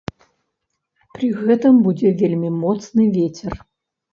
Пры гэтым будзе вельмі моцны вецер.